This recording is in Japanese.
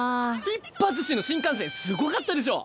「りっぱ寿司」の新幹線すごかったでしょ！